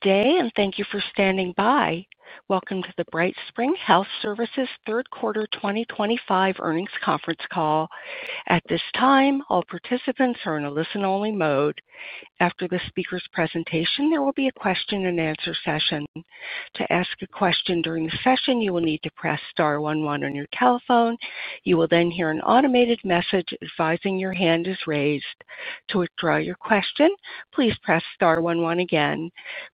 Today, and thank you for standing by. Welcome to the BrightSpring Health Services third quarter 2025 earnings conference call. At this time, all participants are in a listen-only mode. After the speaker's presentation, there will be a question-and-answer session. To ask a question during the session, you will need to press star one-one on your telephone. You will then hear an automated message advising your hand is raised. To withdraw your question, please press star one-one again.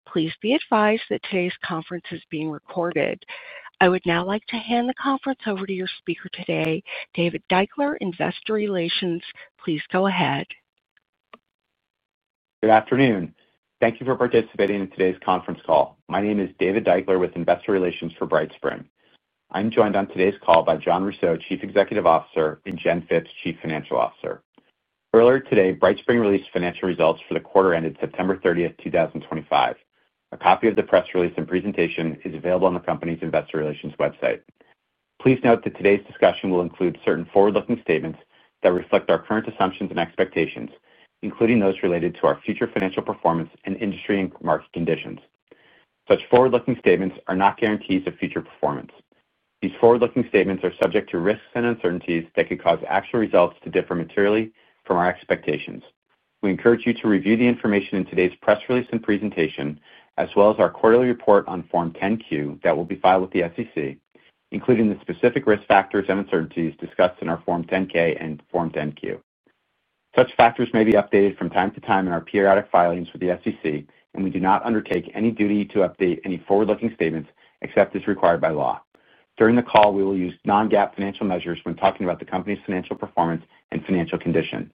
Please be advised that today's conference is being recorded. I would now like to hand the conference over to your speaker today, David Deuchler, Investor Relations. Please go ahead. Good afternoon. Thank you for participating in today's conference call. My name is David Deuchler with Investor Relations for BrightSpring. I'm joined on today's call by Jon Rousseau, Chief Executive Officer, and Jen Phipps, Chief Financial Officer. Earlier today, BrightSpring released financial results for the quarter ended September 30th, 2025. A copy of the press release and presentation is available on the company's Investor Relations website. Please note that today's discussion will include certain forward-looking statements that reflect our current assumptions and expectations, including those related to our future financial performance and industry and market conditions. Such forward-looking statements are not guarantees of future performance. These forward-looking statements are subject to risks and uncertainties that could cause actual results to differ materially from our expectations. We encourage you to review the information in today's press release and presentation, as well as our quarterly report on Form 10-Q that will be filed with the SEC, including the specific risk factors and uncertainties discussed in our Form 10-K and Form 10-Q. Such factors may be updated from time to time in our periodic filings with the SEC, and we do not undertake any duty to update any forward-looking statements except as required by law. During the call, we will use non-GAAP financial measures when talking about the company's financial performance and financial condition.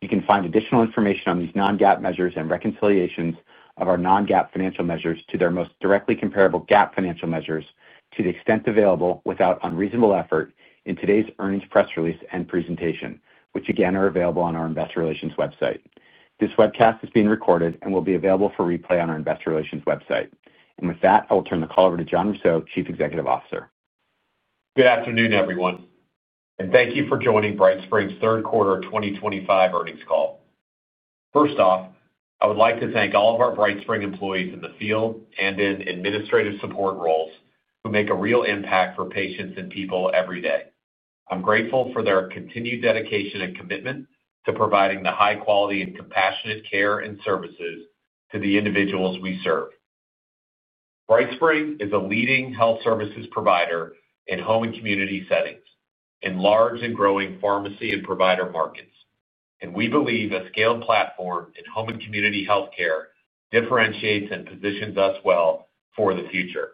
You can find additional information on these non-GAAP measures and reconciliations of our non-GAAP financial measures to their most directly comparable GAAP financial measures to the extent available without unreasonable effort in today's earnings press release and presentation, which again are available on our Investor Relations website. This webcast is being recorded and will be available for replay on our Investor Relations website. With that, I will turn the call over to Jon Rousseau, Chief Executive Officer. Good afternoon, everyone, and thank you for joining BrightSpring's third quarter 2025 earnings call. First off, I would like to thank all of our BrightSpring employees in the field and in administrative support roles who make a real impact for patients and people every day. I'm grateful for their continued dedication and commitment to providing the high quality and compassionate care and services to the individuals we serve. BrightSpring is a leading health services provider in home and community settings in large and growing pharmacy and provider markets, and we believe a scaled platform in home and community healthcare differentiates and positions us well for the future.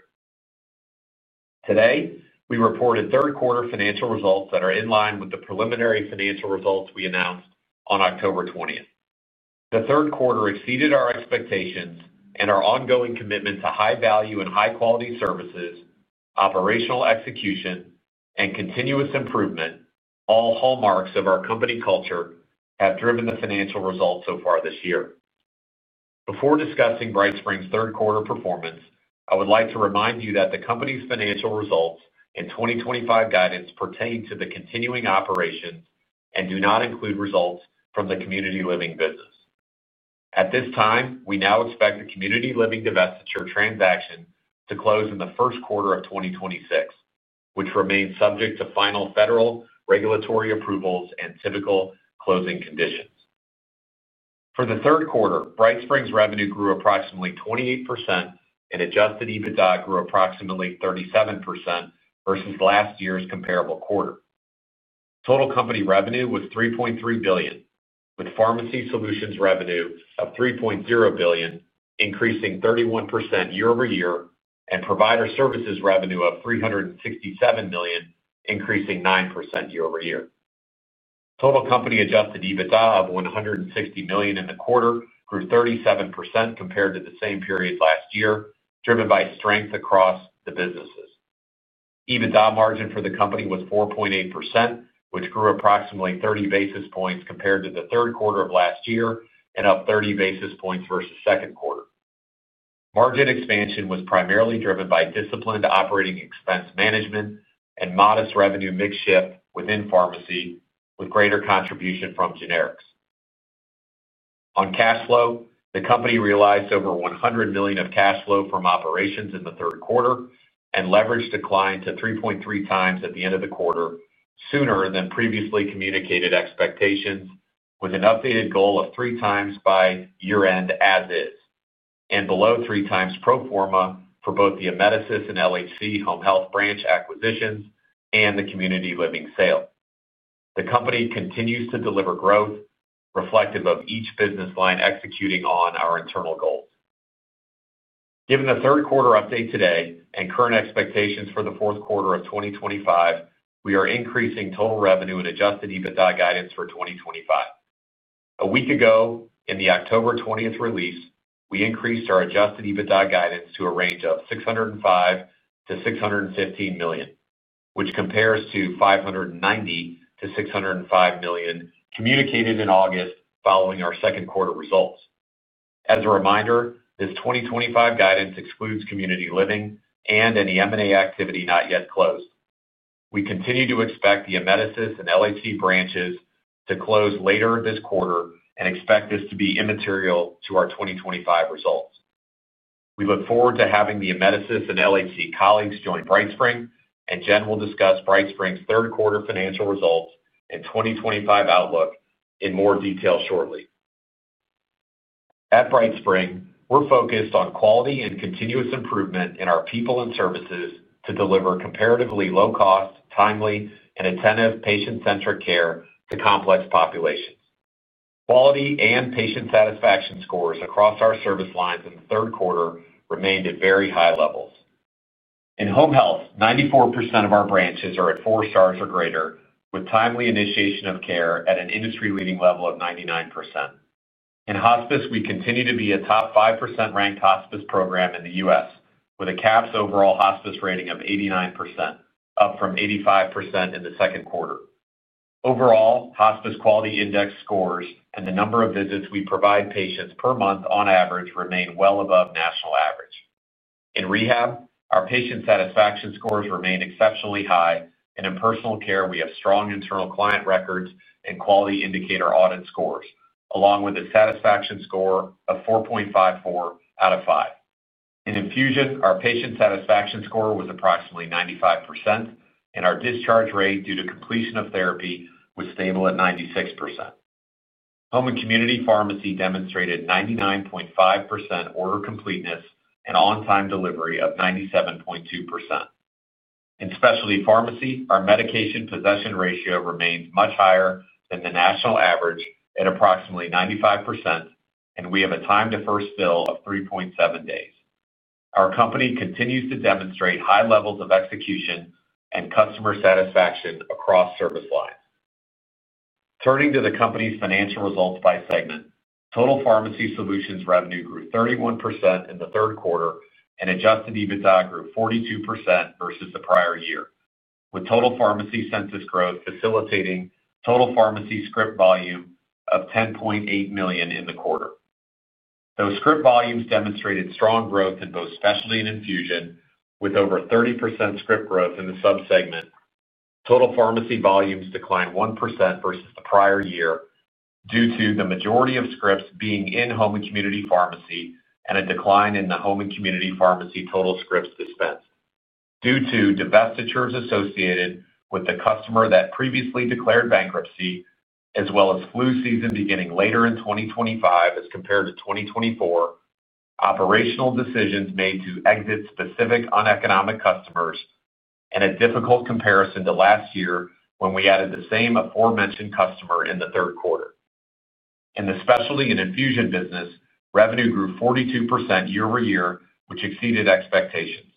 Today, we reported third quarter financial results that are in line with the preliminary financial results we announced on October 20th. The third quarter exceeded our expectations, and our ongoing commitment to high value and high-quality services, operational execution, and continuous improvement, all hallmarks of our company culture, have driven the financial results so far this year. Before discussing BrightSpring's third quarter performance, I would like to remind you that the company's financial results and 2025 guidance pertain to the continuing operations and do not include results from the community living business. At this time, we now expect the community living divestiture transaction to close in the first quarter of 2026, which remains subject to final federal regulatory approvals and typical closing conditions. For the third quarter, BrightSpring's revenue grew approximately 28% and adjusted EBITDA grew approximately 37% versus last year's comparable quarter. Total company revenue was $3.3 billion, with Pharmacy Solutions revenue of $3.0 billion, increasing 31% year-over-year, and Provider Services revenue of $367 million, increasing 9% year-over-year. Total company adjusted EBITDA of $160 million in the quarter grew 37% compared to the same period last year, driven by strength across the businesses. EBITDA margin for the company was 4.8%, which grew approximately 30 basis points compared to the third quarter of last year and up 30 basis points versus the second quarter. Margin expansion was primarily driven by disciplined operating expense management and modest revenue mix shift within pharmacy, with greater contribution from generics. On cash flow, the company realized over $100 million of cash flow from operations in the third quarter, and leverage declined to 3.3x at the end of the quarter, sooner than previously communicated expectations, with an updated goal of 3x by year-end as is and below 3 times pro forma for both the Amedisys and LHC Home Health Branch acquisitions and the community living divestiture. The company continues to deliver growth, reflective of each business line executing on our internal goals. Given the third quarter update today and current expectations for the fourth quarter of 2025, we are increasing total revenue and adjusted EBITDA guidance for 2025. A week ago, in the October 20th release, we increased our adjusted EBITDA guidance to a range of $605 million-$615 million, which compares to $590 million-$605 million communicated in August following our second quarter results. As a reminder, this 2025 guidance excludes community living and any M&A activity not yet closed. We continue to expect the Amedisys and LHC branches to close later this quarter and expect this to be immaterial to our 2025 results. We look forward to having the Amedisys and LHC colleagues join BrightSpring, and Jen will discuss BrightSpring's third quarter financial results and 2025 outlook in more detail shortly. At BrightSpring, we're focused on quality and continuous improvement in our people and services to deliver comparatively low cost, timely, and attentive patient-centric care to complex populations. Quality and patient satisfaction scores across our service lines in the third quarter remained at very high levels. In home health, 94% of our branches are at four stars or greater, with timely initiation of care at an industry-leading level of 99%. In hospice, we continue to be a top 5% ranked hospice program in the U.S., with a CAHPS overall hospice rating of 89%, up from 85% in the second quarter. Overall, hospice quality index scores and the number of visits we provide patients per month on average remain well above national average. In rehab, our patient satisfaction scores remain exceptionally high, and in personal care, we have strong internal client records and quality indicator audit scores, along with a satisfaction score of 4.54 out of 5. In infusion, our patient satisfaction score was approximately 95%, and our discharge rate due to completion of therapy was stable at 96%. Home and community pharmacy demonstrated 99.5% order completeness and on-time delivery of 97.2%. In specialty pharmacy, our medication possession ratio remains much higher than the national average at approximately 95%, and we have a time to first fill of 3.7 days. Our company continues to demonstrate high levels of execution and customer satisfaction across service lines. Turning to the company's financial results by segment, total Pharmacy Solutions revenue grew 31% in the third quarter and adjusted EBITDA grew 42% versus the prior year, with total pharmacy census growth facilitating total pharmacy script volume of 10.8 million in the quarter. Those script volumes demonstrated strong growth in both specialty and infusion, with over 30% script growth in the subsegment. Total pharmacy volumes declined 1% versus the prior year due to the majority of scripts being in home and community pharmacy and a decline in the home and community pharmacy total scripts dispensed. This was due to divestitures associated with the customer that previously declared bankruptcy, as well as flu season beginning later in 2025 as compared to 2024, operational decisions made to exit specific uneconomic customers, and a difficult comparison to last year when we added the same aforementioned customer in the third quarter. In the specialty and infusion business, revenue grew 42% year-over-year, which exceeded expectations.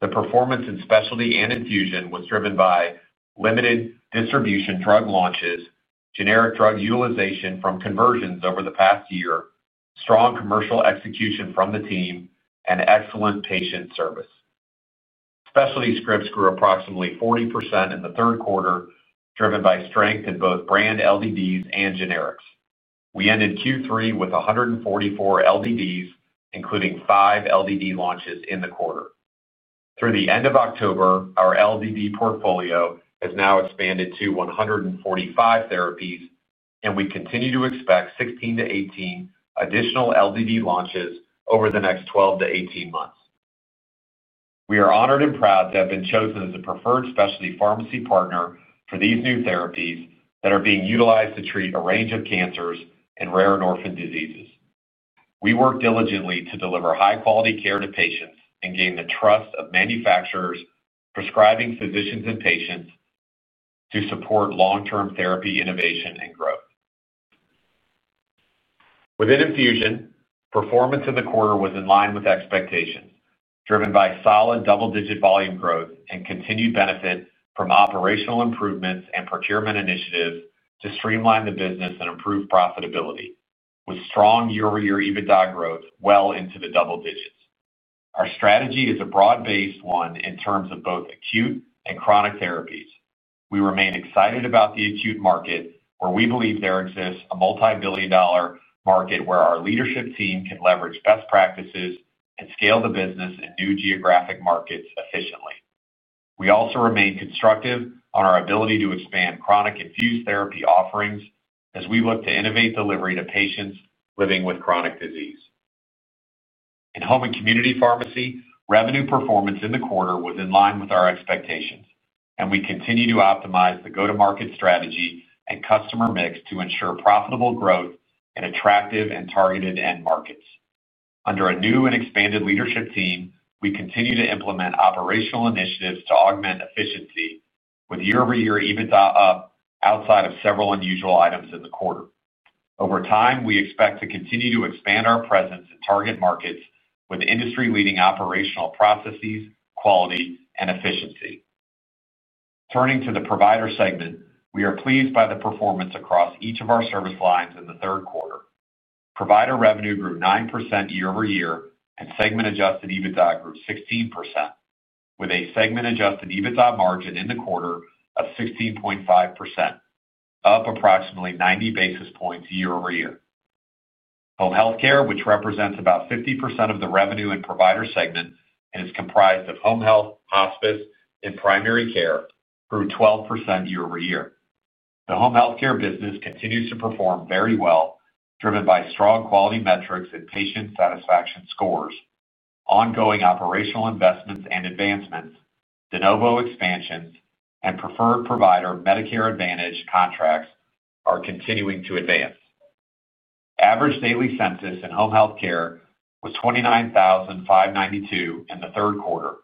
The performance in specialty and infusion was driven by limited distribution drug launches, generic drug utilization from conversions over the past year, strong commercial execution from the team, and excellent patient service. Specialty scripts grew approximately 40% in the third quarter, driven by strength in both brand LDDs and generics. We ended Q3 with 144 LDDs, including five LDD launches in the quarter. Through the end of October, our LDD portfolio has now expanded to 145 therapies, and we continue to expect 16 to 18 additional LDD launches over the next 12 to 18 months. We are honored and proud to have been chosen as a preferred specialty pharmacy partner for these new therapies that are being utilized to treat a range of cancers and rare and orphan diseases. We work diligently to deliver high-quality care to patients and gain the trust of manufacturers, prescribing physicians, and patients to support long-term therapy innovation and growth. Within infusion, performance in the quarter was in line with expectations, driven by solid double-digit volume growth and continued benefit from operational improvements and procurement initiatives to streamline the business and improve profitability, with strong year-over-year EBITDA growth well into the double digits. Our strategy is a broad-based one in terms of both acute and chronic therapies. We remain excited about the acute market, where we believe there exists a multibillion-dollar market where our leadership team can leverage best practices and scale the business in new geographic markets efficiently. We also remain constructive on our ability to expand chronic infused therapy offerings as we look to innovate delivery to patients living with chronic disease. In home and community pharmacy, revenue performance in the quarter was in line with our expectations, and we continue to optimize the go-to-market strategy and customer mix to ensure profitable growth in attractive and targeted end markets. Under a new and expanded leadership team, we continue to implement operational initiatives to augment efficiency, with year-over-year EBITDA up outside of several unusual items in the quarter. Over time, we expect to continue to expand our presence in target markets with industry-leading operational processes, quality, and efficiency. Turning to the provider segment, we are pleased by the performance across each of our service lines in the third quarter. Provider revenue grew 9% year-over-year, and segment-adjusted EBITDA grew 16%, with a segment-adjusted EBITDA margin in the quarter of 16.5%, up approximately 90 basis points year-over-year. Home healthcare, which represents about 50% of the revenue in the provider segment and is comprised of home health, hospice, and primary care, grew 12% year-over-year. The home healthcare business continues to perform very well, driven by strong quality metrics and patient satisfaction scores. Ongoing operational investments and advancements, de novo expansions, and preferred provider Medicare Advantage contracts are continuing to advance. Average daily census in home healthcare was 29,592 in the third quarter,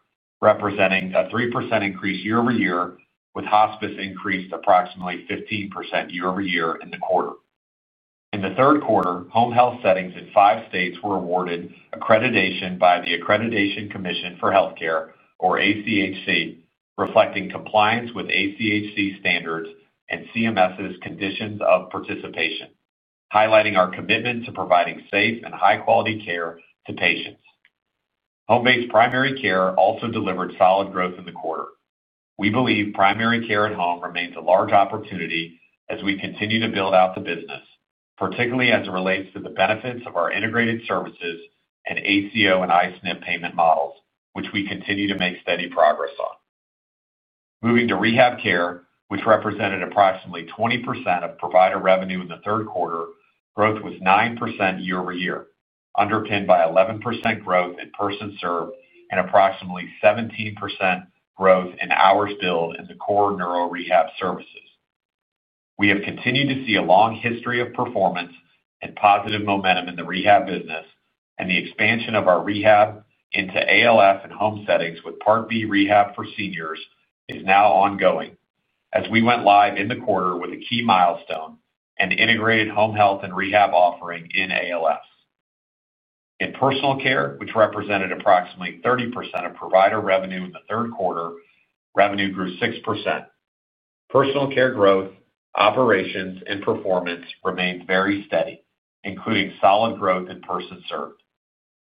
representing a 3% increase year-over-year, with hospice increased approximately 15% year-over-year in the quarter. In the third quarter, home health settings in five states were awarded accreditation by the Accreditation Commission for Healthcare, or ACHC, reflecting compliance with ACHC standards and CMS's conditions of participation, highlighting our commitment to providing safe and high-quality care to patients. Home-based primary care also delivered solid growth in the quarter. We believe primary care at home remains a large opportunity as we continue to build out the business, particularly as it relates to the benefits of our integrated services and ACO and ISNIP payment models, which we continue to make steady progress on. Moving to rehab care, which represented approximately 20% of Provider Services revenue in the third quarter, growth was 9% year-over-year, underpinned by 11% growth in persons served and approximately 17% growth in hours billed in the core neuro rehab services. We have continued to see a long history of performance and positive momentum in the rehab business, and the expansion of our rehab into ALF and home settings with Part B rehab for seniors is now ongoing, as we went live in the quarter with a key milestone and integrated home health and rehab offering in ALF. In personal care, which represented approximately 30% of Provider Services revenue in the third quarter, revenue grew 6%. Personal care growth, operations, and performance remained very steady, including solid growth in persons served.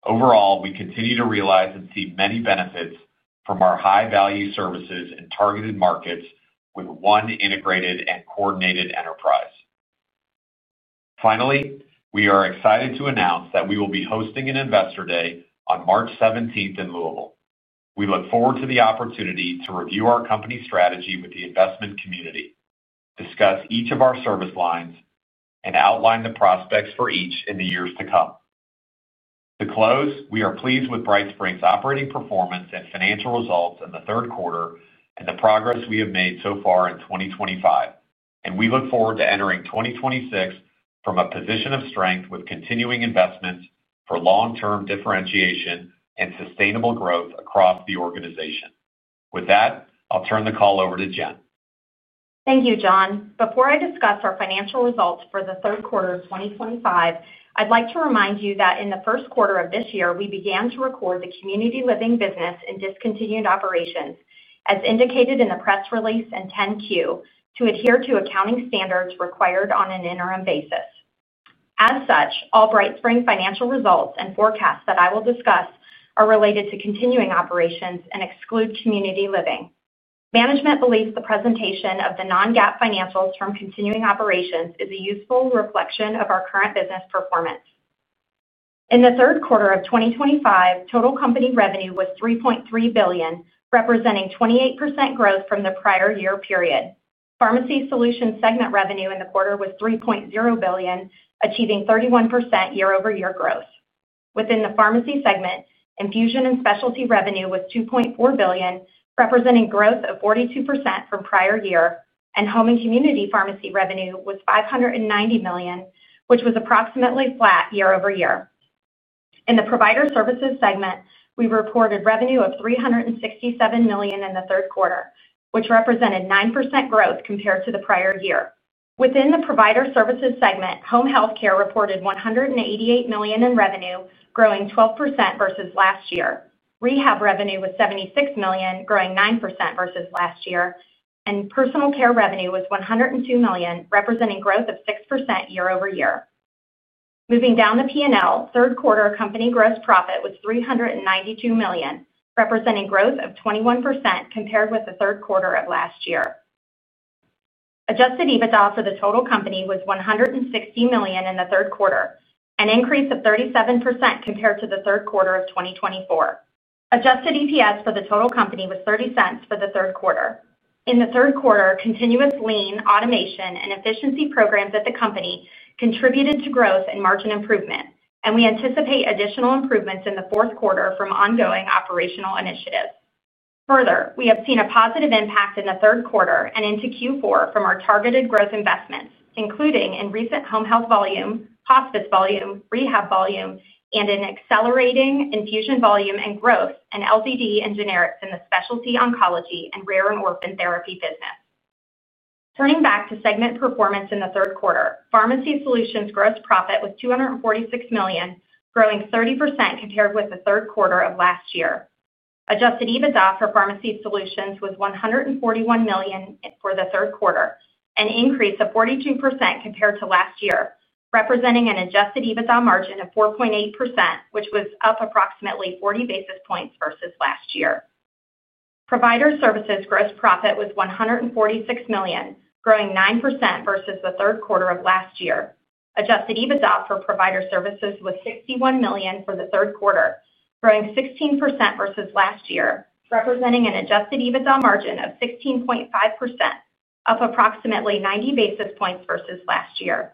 Overall, we continue to realize and see many benefits from our high-value services and targeted markets with one integrated and coordinated enterprise. Finally, we are excited to announce that we will be hosting an Investor Day on March 17 in Louisville. We look forward to the opportunity to review our company strategy with the investment community, discuss each of our service lines, and outline the prospects for each in the years to come. To close, we are pleased with BrightSpring's operating performance and financial results in the third quarter and the progress we have made so far in 2025, and we look forward to entering 2026 from a position of strength with continuing investments for long-term differentiation and sustainable growth across the organization. With that, I'll turn the call over to Jen. Thank you, Jon. Before I discuss our financial results for the third quarter of 2025, I'd like to remind you that in the first quarter of this year, we began to record the community living business in discontinued operations, as indicated in the press release and 10-Q, to adhere to accounting standards required on an interim basis. As such, all BrightSpring financial results and forecasts that I will discuss are related to continuing operations and exclude community living. Management believes the presentation of the non-GAAP financials from continuing operations is a useful reflection of our current business performance. In the third quarter of 2025, total company revenue was $3.3 billion, representing 28% growth from the prior year period. Pharmacy Solutions segment revenue in the quarter was $3.0 billion, achieving 31% year-over-year growth. Within the Pharmacy segment, infusion and specialty revenue was $2.4 billion, representing growth of 42% from prior year, and home and community pharmacy revenue was $590 million, which was approximately flat year-over-year. In the Provider Services segment, we reported revenue of $367 million in the third quarter, which represented 9% growth compared to the prior year. Within the Provider Services segment, home healthcare reported $188 million in revenue, growing 12% versus last year. Rehab revenue was $76 million, growing 9% versus last year, and personal care revenue was $102 million, representing growth of 6% year-over-year. Moving down the P&L, third quarter company gross profit was $392 million, representing growth of 21% compared with the third quarter of last year. Adjusted EBITDA for the total company was $160 million in the third quarter, an increase of 37% compared to the third quarter of 2024. Adjusted EPS for the total company was $0.30 for the third quarter. In the third quarter, continuous lean, automation, and efficiency programs at the company contributed to growth and margin improvement, and we anticipate additional improvements in the fourth quarter from ongoing operational initiatives. Further, we have seen a positive impact in the third quarter and into Q4 from our targeted growth investments, including in recent home health volume, hospice volume, rehab volume, and an accelerating infusion volume and growth in LDD and generics in the specialty oncology and rare and orphan therapy business. Turning back to segment performance in the third quarter, Pharmacy Solutions gross profit was $246 million, growing 30% compared with the third quarter of last year. Adjusted EBITDA for Pharmacy Solutions was $141 million for the third quarter, an increase of 42% compared to last year, representing an adjusted EBITDA margin of 4.8%, which was up approximately 40 basis points versus last year. Provider Services gross profit was $146 million, growing 9% versus the third quarter of last year. Adjusted EBITDA for Provider Services was $61 million for the third quarter, growing 16% versus last year, representing an adjusted EBITDA margin of 16.5%, up approximately 90 basis points versus last year.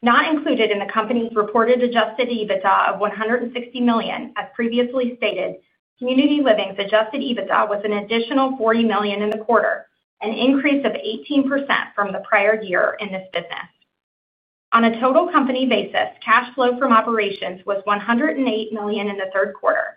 Not included in the company's reported adjusted EBITDA of $160 million, as previously stated, Community Living's adjusted EBITDA was an additional $40 million in the quarter, an increase of 18% from the prior year in this business. On a total company basis, cash flow from operations was $108 million in the third quarter.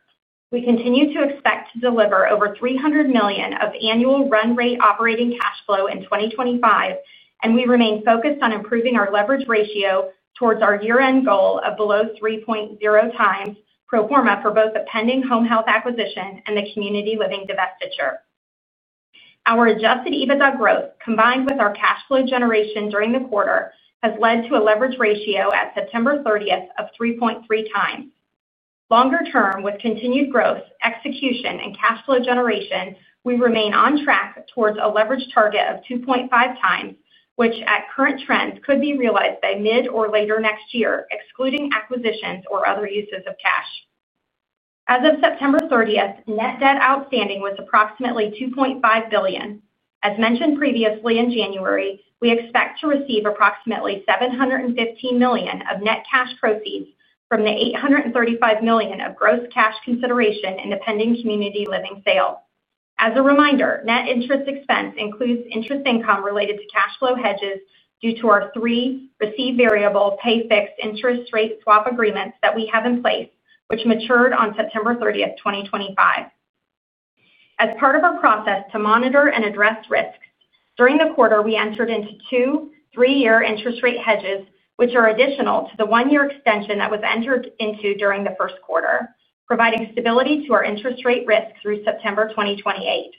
We continue to expect to deliver over $300 million of annual run rate operating cash flow in 2025, and we remain focused on improving our leverage ratio towards our year-end goal of below 3.0x pro forma for both the pending home health acquisition and the Community Living divestiture. Our adjusted EBITDA growth, combined with our cash flow generation during the quarter, has led to a leverage ratio at September 30th of 3.3x. Longer term, with continued growth, execution, and cash flow generation, we remain on track towards a leverage target of 2.5x, which at current trends could be realized by mid or later next year, excluding acquisitions or other uses of cash. As of September 30th, net debt outstanding was approximately $2.5 billion. As mentioned previously in January, we expect to receive approximately $715 million of net cash proceeds from the $835 million of gross cash consideration in the pending Community Living sale. As a reminder, net interest expense includes interest income related to cash flow hedges due to our three receive variable pay fixed interest rate swap agreements that we have in place, which mature on September 30th, 2025. As part of our process to monitor and address risks, during the quarter, we entered into two three-year interest rate hedges, which are additional to the one-year extension that was entered into during the first quarter, providing stability to our interest rate risk through September 2028.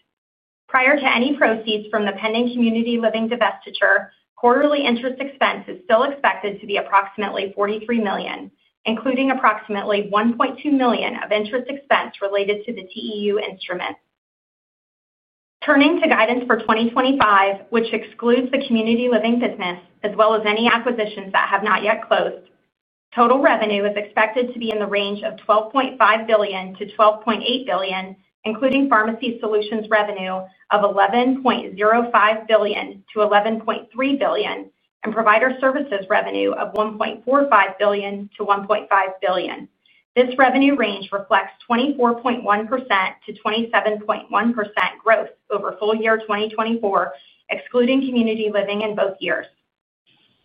Prior to any proceeds from the pending community living divestiture, quarterly interest expense is still expected to be approximately $43 million, including approximately $1.2 million of interest expense related to the TEU instrument. Turning to guidance for 2025, which excludes the community living business as well as any acquisitions that have not yet closed, total revenue is expected to be in the range of $12.5 billion-$12.8 billion, including Pharmacy Solutions revenue of $11.05 billion-$11.3 billion, and Provider Services revenue of $1.45 billion-$1.5 billion. This revenue range reflects 24.1%-27.1% growth over full year 2024, excluding community living in both years.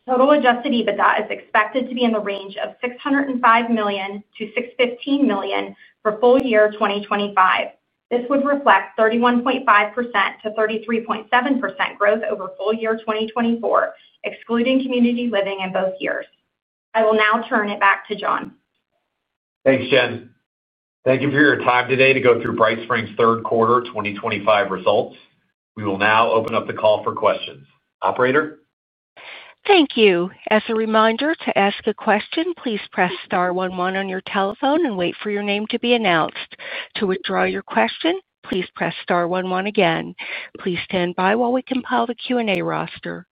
Total adjusted EBITDA is expected to be in the range of $605 million-$615 million for full year 2025. This would reflect 31.5%-33.7% growth over full year 2024, excluding community living in both years. I will now turn it back to Jon. Thanks, Jen. Thank you for your time today to go through BrightSpring's third quarter 2025 results. We will now open up the call for questions. Operator? Thank you. As a reminder, to ask a question, please press star one-one on your telephone and wait for your name to be announced. To withdraw your question, please press star one-one again. Please stand by while we compile the Q&A roster.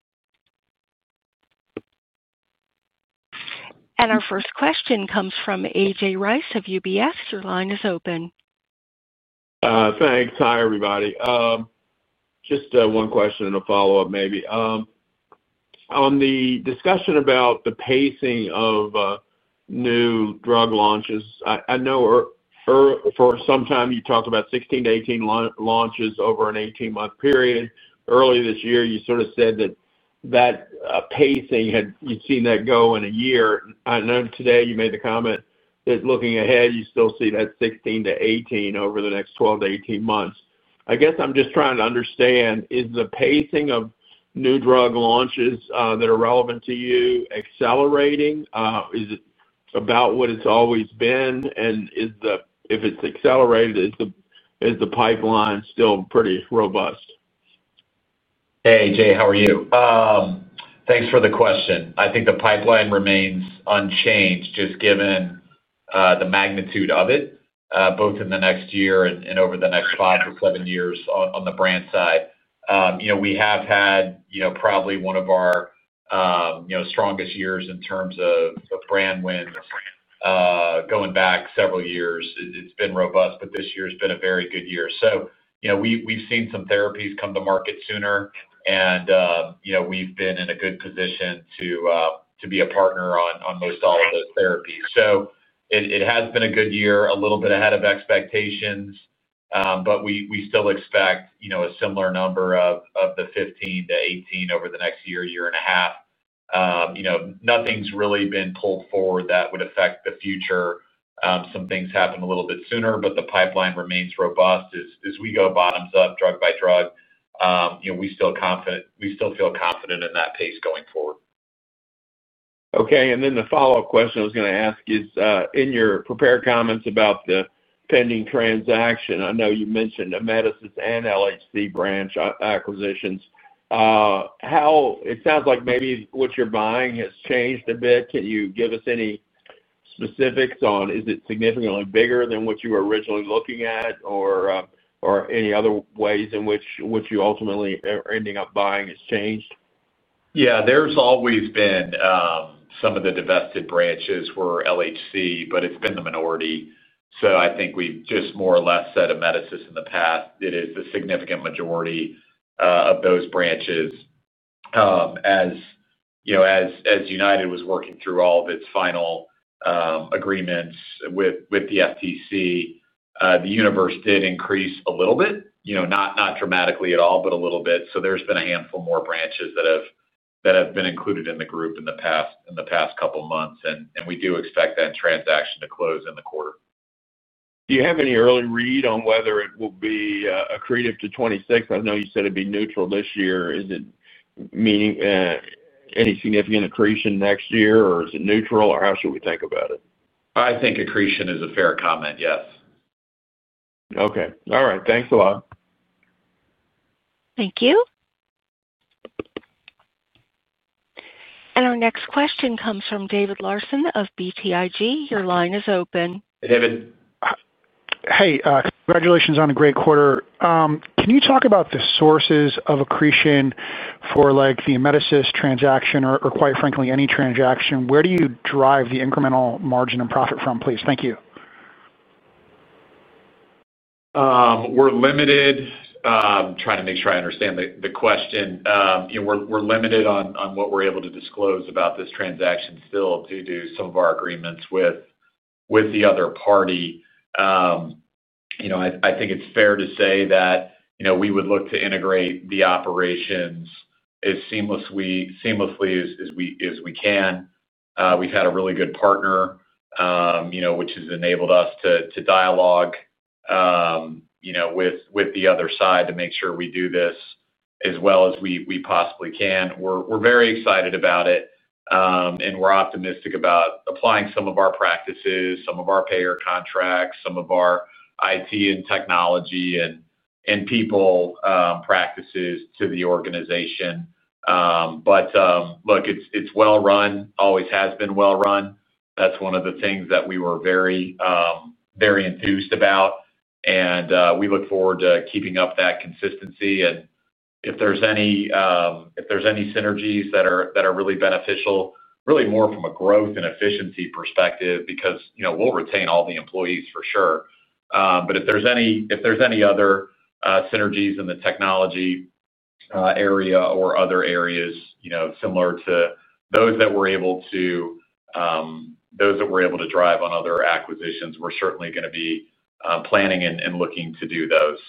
Our first question comes from A.J. Rice of UBS. Your line is open. Thanks. Hi, everybody. Just one question and a follow-up maybe. On the discussion about the pacing of new drug launches, I know for some time you talked about 16 to 18 launches over an 18-month period. Earlier this year, you said that pacing had, you'd seen that go in a year. I know today you made the comment that looking ahead, you still see that 16 to 18 over the next 12 to 18 months. I guess I'm just trying to understand, is the pacing of new drug launches that are relevant to you accelerating? Is it about what it's always been? If it's accelerated, is the pipeline still pretty robust? Hey, A.J. How are you? Thanks for the question. I think the pipeline remains unchanged, just given the magnitude of it, both in the next year and over the next five to seven years on the brand side. We have had probably one of our strongest years in terms of brand wins. Going back several years, it's been robust, but this year has been a very good year. We've seen some therapies come to market sooner, and we've been in a good position to be a partner on most all of those therapies. It has been a good year, a little bit ahead of expectations. We still expect a similar number of the 15 to 18 over the next year, year and a half. Nothing's really been pulled forward that would affect the future. Some things happen a little bit sooner, but the pipeline remains robust. As we go bottoms up drug by drug, we still feel confident in that pace going forward. Okay. The follow-up question I was going to ask is, in your prepared comments about the pending transaction, I know you mentioned Amedisys and LHC Branch acquisitions. It sounds like maybe what you're buying has changed a bit. Can you give us any specifics on is it significantly bigger than what you were originally looking at or any other ways in which what you ultimately are ending up buying has changed? Yeah, there's always been some of the divested branches for LHC, but it's been the minority. I think we've just more or less said Amedisys in the past. It is the significant majority of those branches. As you know, as United was working through all of its final agreements with the FTC, the universe did increase a little bit, not dramatically at all, but a little bit. There's been a handful more branches that have been included in the group in the past couple of months, and we do expect that transaction to close in the quarter. Do you have any early read on whether it will be accretive to 2026? I know you said it'd be neutral this year. Is it meaning, any significant accretion next year, or is it neutral, or how should we think about it? I think accretion is a fair comment, yes. Okay, all right. Thanks a lot. Thank you. Our next question comes from David Larsen of BTIG. Your line is open. David. Hey, congratulations on a great quarter. Can you talk about the sources of accretion for like the Amedisys transaction or quite frankly any transaction? Where do you drive the incremental margin and profit from, please? Thank you. I'm trying to make sure I understand the question. We're limited on what we're able to disclose about this transaction still due to some of our agreements with the other party. I think it's fair to say that we would look to integrate the operations as seamlessly as we can. We've had a really good partner, which has enabled us to dialogue with the other side to make sure we do this as well as we possibly can. We're very excited about it, and we're optimistic about applying some of our practices, some of our payer contracts, some of our IT and technology and people practices to the organization. It's well run, always has been well run. That's one of the things that we were very, very enthused about, and we look forward to keeping up that consistency. If there's any synergies that are really beneficial, really more from a growth and efficiency perspective, because we'll retain all the employees for sure. If there's any other synergies in the technology area or other areas, similar to those that we're able to drive on other acquisitions, we're certainly going to be planning and looking to do those.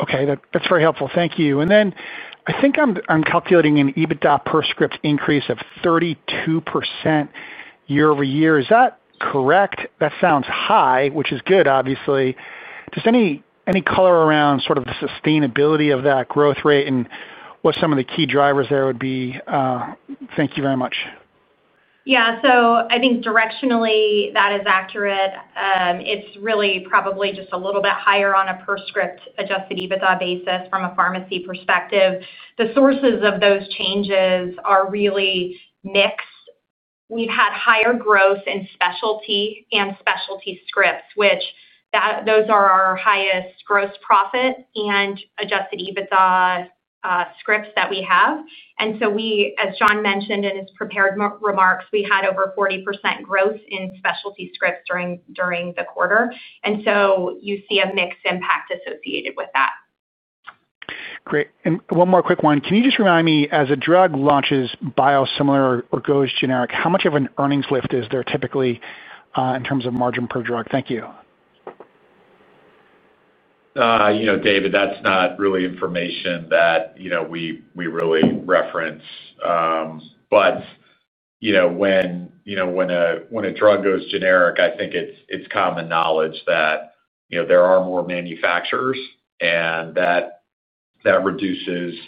Okay. That's very helpful. Thank you. I think I'm calculating an EBITDA per script increase of 32% year-over-year. Is that correct? That sounds high, which is good, obviously. Does any color around sort of the sustainability of that growth rate and what some of the key drivers there would be? Thank you very much. Yeah. I think directionally, that is accurate. It's really probably just a little bit higher on a per script adjusted EBITDA basis from a pharmacy perspective. The sources of those changes are really mixed. We've had higher growth in specialty and specialty scripts, which are our highest gross profit and adjusted EBITDA scripts that we have. As Jon mentioned in his prepared remarks, we had over 40% growth in specialty scripts during the quarter, so you see a mixed impact associated with that. Great. One more quick one. Can you just remind me, as a drug launches biosimilar or goes generic, how much of an earnings lift is there typically in terms of margin per drug? Thank you. You know, David, that's not really information that we really reference. When a drug goes generic, I think it's common knowledge that there are more manufacturers, and that reduces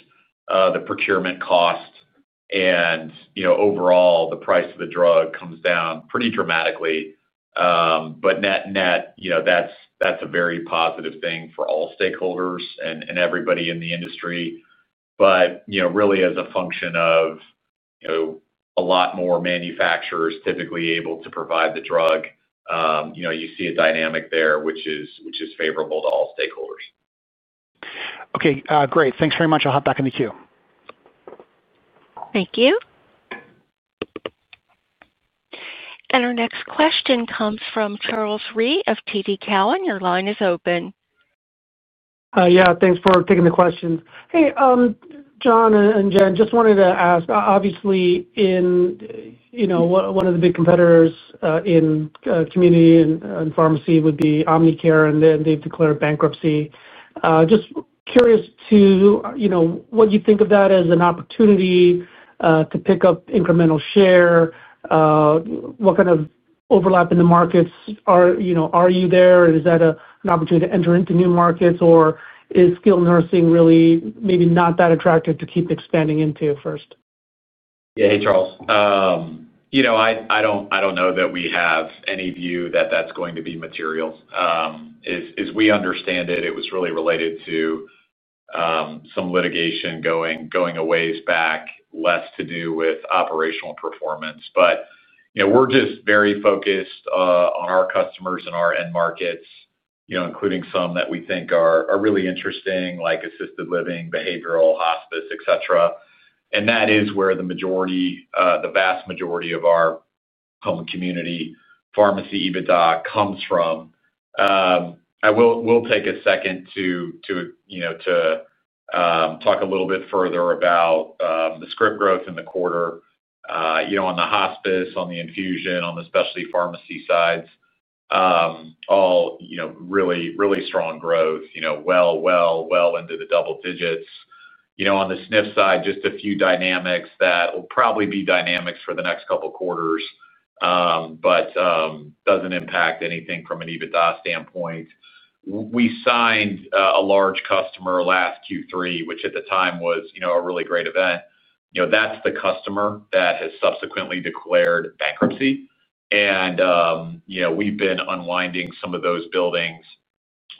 the procurement cost. Overall, the price of the drug comes down pretty dramatically. Net-net, that's a very positive thing for all stakeholders and everybody in the industry. Really, as a function of a lot more manufacturers typically able to provide the drug, you see a dynamic there which is favorable to all stakeholders. Okay. Great. Thanks very much. I'll hop back in the queue. Thank you. Our next question comes from Charles Rhyee of TD Cowen. Your line is open. Yeah. Thanks for taking the questions. Hey, Jon and Jen, just wanted to ask, obviously, one of the big competitors in community and pharmacy would be Omnicare, and they've declared bankruptcy. Just curious what you think of that as an opportunity to pick up incremental share. What kind of overlap in the markets? Are you there, and is that an opportunity to enter into new markets, or is skilled nursing really maybe not that attractive to keep expanding into first? Yeah. Hey, Charles, I don't know that we have any view that that's going to be material. As we understand it, it was really related to some litigation going a ways back, less to do with operational performance. We're just very focused on our customers and our end markets, including some that we think are really interesting, like assisted living, behavioral health, hospice, etc. That is where the majority, the vast majority of our home and community pharmacy EBITDA comes from. I will take a second to talk a little bit further about the script growth in the quarter. On the hospice, infusion, and specialty pharmacy sides, all really, really strong growth, well into the double digits. On the SNF side, just a few dynamics that will probably be dynamics for the next couple of quarters, but it doesn't impact anything from an EBITDA standpoint. We signed a large customer last Q3, which at the time was a really great event. That's the customer that has subsequently declared bankruptcy. We've been unwinding some of those billings.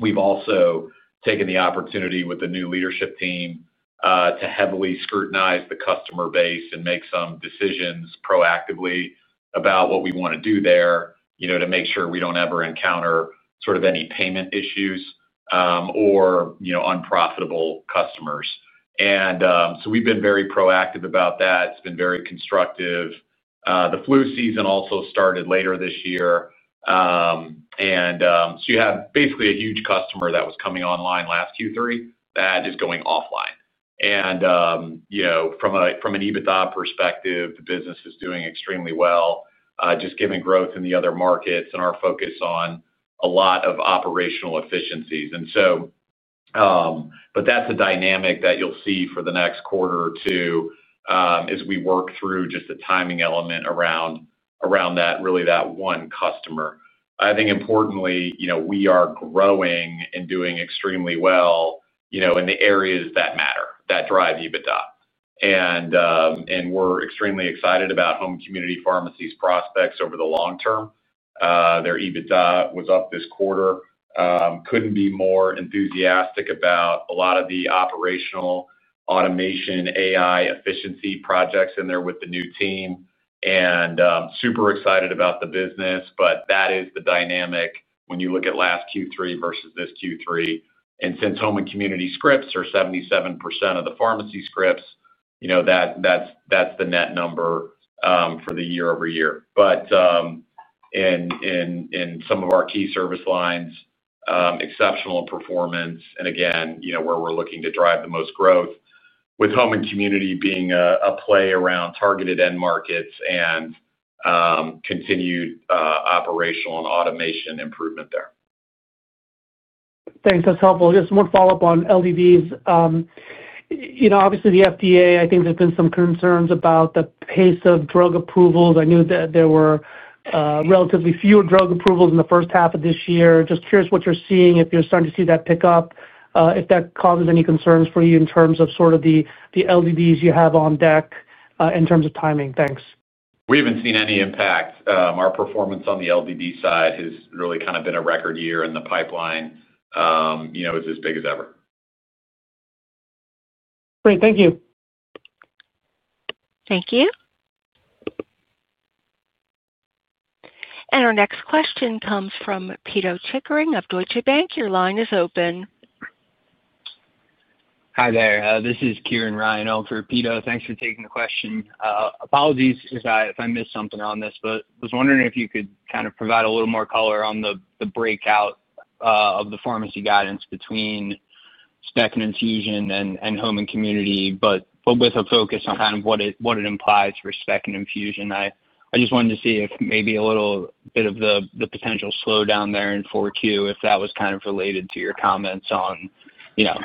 We've also taken the opportunity with the new leadership team to heavily scrutinize the customer base and make some decisions proactively about what we want to do there to make sure we don't ever encounter any payment issues or unprofitable customers. We've been very proactive about that. It's been very constructive. The flu season also started later this year, and so you have basically a huge customer that was coming online last Q3 that is going offline. From an EBITDA perspective, the business is doing extremely well, just given growth in the other markets and our focus on a lot of operational efficiencies. That's a dynamic that you'll see for the next quarter or two, as we work through just the timing element around that one customer. I think importantly, we are growing and doing extremely well in the areas that matter, that drive EBITDA. We're extremely excited about home and community pharmacy's prospects over the long term. Their EBITDA was up this quarter. Couldn't be more enthusiastic about a lot of the operational automation, AI efficiency projects in there with the new team. Super excited about the business. That is the dynamic when you look at last Q3 versus this Q3. Since home and community scripts are 77% of the pharmacy scripts, that's the net number for the year-over-year. In some of our key service lines, exceptional performance. Again, we're looking to drive the most growth with home and community being a play around targeted end markets and continued operational and automation improvement there. Thanks. That's helpful. Just one follow-up on LDDs. Obviously, the FDA, I think there's been some concerns about the pace of drug approvals. I knew that there were relatively fewer drug approvals in the first half of this year. Just curious what you're seeing, if you're starting to see that pick up, if that causes any concerns for you in terms of the LDDs you have on deck in terms of timing. Thanks. We haven't seen any impact. Our performance on the limited distribution drug launches side has really kind of been a record year, and the pipeline, you know, is as big as ever. Great. Thank you. Thank you. Our next question comes from Peter Tickering of Deutsche Bank. Your line is open. Hi there. This is Kieran Ryan over at Peter. Thanks for taking the question. Apologies if I missed something on this, but I was wondering if you could kind of provide a little more color on the breakout of the pharmacy guidance between specialty and infusion and home and community, with a focus on kind of what it implies for specialty and infusion. I just wanted to see if maybe a little bit of the potential slowdown there in Q4, if that was kind of related to your comments on how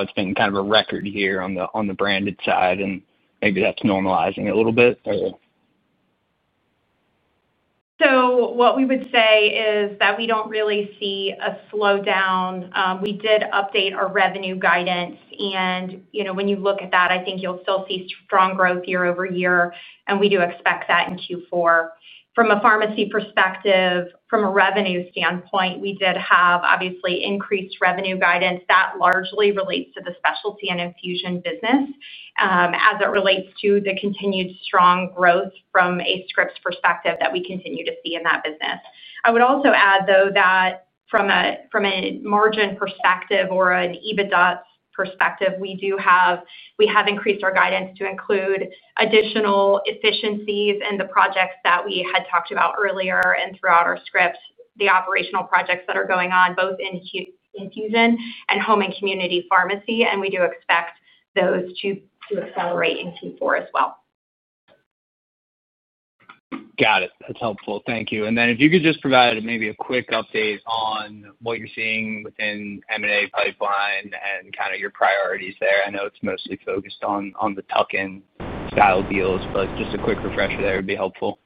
it's been kind of a record year on the branded side, and maybe that's normalizing a little bit, or. We don't really see a slowdown. We did update our revenue guidance, and when you look at that, I think you'll still see strong growth year-over-year, and we do expect that in Q4. From a pharmacy perspective, from a revenue standpoint, we did have increased revenue guidance. That largely relates to the specialty and infusion business, as it relates to the continued strong growth from a scripts perspective that we continue to see in that business. I would also add, though, that from a margin perspective or an adjusted EBITDA perspective, we have increased our guidance to include additional efficiencies in the projects that we had talked about earlier and throughout our scripts, the operational projects that are going on both in infusion and home and community pharmacy. We do expect those to accelerate in Q4 as well. Got it. That's helpful. Thank you. If you could just provide maybe a quick update on what you're seeing within the M&A pipeline and kind of your priorities there, I know it's mostly focused on the tuck-in style deals, but just a quick refresher there would be helpful.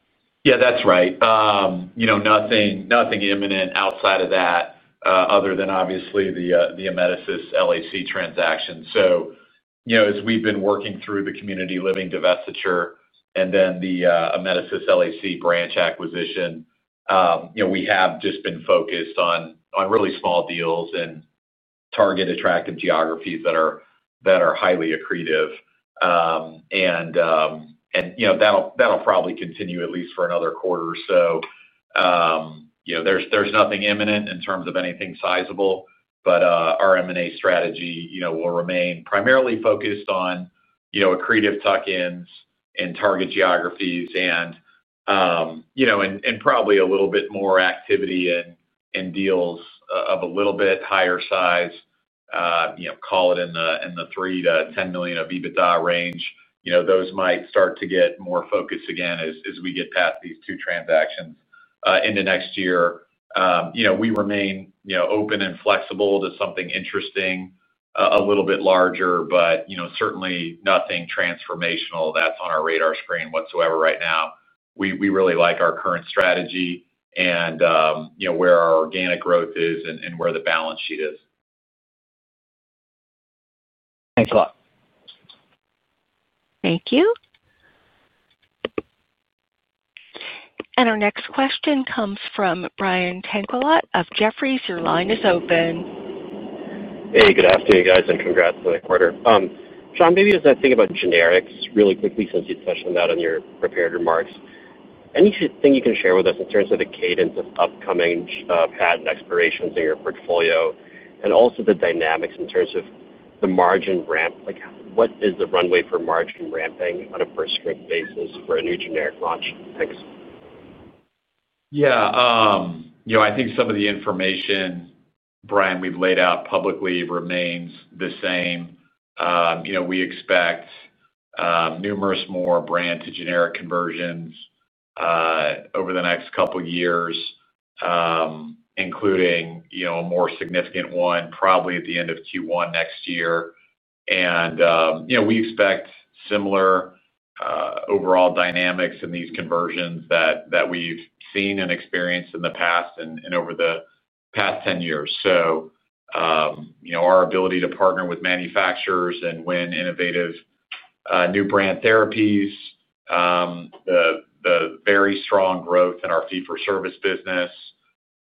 Yeah, that's right. Nothing imminent outside of that, other than obviously the Amedisys LHC transaction. As we've been working through the community living divestiture and then the Amedisys LHC Branch acquisition, we have just been focused on really small deals and target attractive geographies that are highly accretive. That'll probably continue at least for another quarter or so. There's nothing imminent in terms of anything sizable, but our M&A strategy will remain primarily focused on accretive tuck-in deals and target geographies, and probably a little bit more activity in deals of a little bit higher size, call it in the $3 million-$10 million of EBITDA range. Those might start to get more focused again as we get past these two transactions in the next year. We remain open and flexible to something interesting, a little bit larger, but certainly nothing transformational that's on our radar screen whatsoever right now. We really like our current strategy and where our organic growth is and where the balance sheet is. Thanks a lot. Thank you. Our next question comes from Brian Tanquilut of Jefferies. Your line is open. Hey, good afternoon, guys, and congrats to the quarter. Jon, maybe as I think about generics really quickly, since you touched on that in your prepared remarks, anything you can share with us in terms of the cadence of upcoming patent expirations in your portfolio and also the dynamics in terms of the margin ramp? What is the runway for margin ramping on a per-script basis for a new generic launch? Thanks. Yeah, I think some of the information, Brian, we've laid out publicly remains the same. We expect numerous more brand-to-generic conversions over the next couple of years, including a more significant one probably at the end of Q1 next year. We expect similar overall dynamics in these conversions that we've seen and experienced in the past and over the past 10 years. Our ability to partner with manufacturers and win innovative new brand therapies, the very strong growth in our fee-for-service business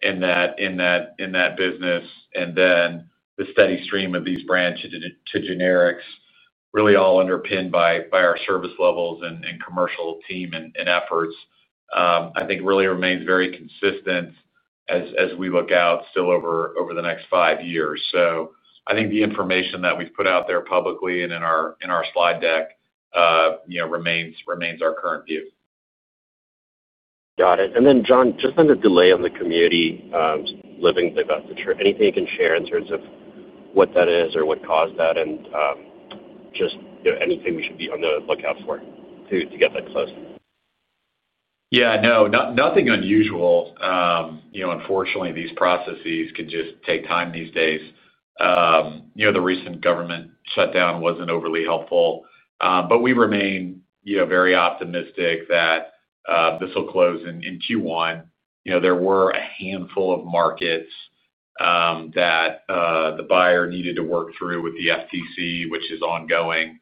in that business, and then the steady stream of these brand to generics, really all underpinned by our service levels and commercial team and efforts, I think really remains very consistent as we look out still over the next five years. I think the information that we've put out there publicly and in our slide deck remains our current view. Got it. Jon, just on the delay on the community living divestiture, anything you can share in terms of what that is or what caused that, and anything we should be on the lookout for to get that closed? Yeah. No, nothing unusual. Unfortunately, these processes can just take time these days. The recent government shutdown wasn't overly helpful, but we remain very optimistic that this will close in Q1. There were a handful of markets that the buyer needed to work through with the FTC, which is ongoing